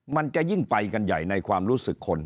มันจะยิ่งไปกันใหญ่ในความรู้สึกคน